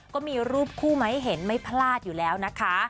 ก็มีรูปคู่มาให้เห็นไม่พลาดอยู่แล้วนะคะ